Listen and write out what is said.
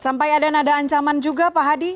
sampai ada nada ancaman juga pak hadi